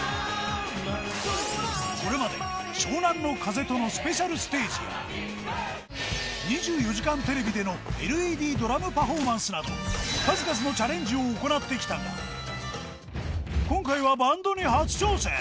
これまで湘南乃風とのスペシャルステージや、２４時間テレビでのＬＥＤドラムパフォーマンスなど、数々のチャレンジを行ってきたが、今回はバンドに初挑戦。